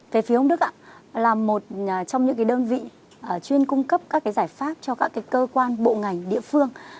về phía ông đức ạ là một trong những cái đơn vị chuyên cung cấp các cái giải pháp cho các cái cơ quan bộ ngành địa phương